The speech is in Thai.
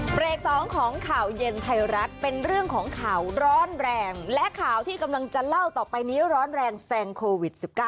เบรก๒ของข่าวเย็นไทยรัฐเป็นเรื่องของข่าวร้อนแรงและข่าวที่กำลังจะเล่าต่อไปนี้ร้อนแรงแซงโควิด๑๙